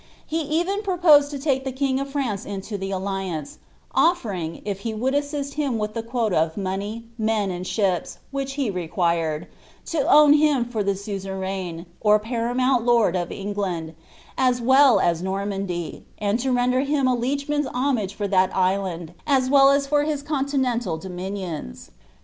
He even pro posed to take the king of France into the alliance, o&ring, if he would assist him with the quota of money, men, and ships, which he required, to own him for the guzeram^ or paramount lord of England, as well as Normandy, and to render him a liegeman's homage for that island, as well as for his continental dominions.